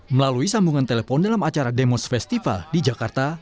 melalui sambungan telepon dalam acara demos festival di jakarta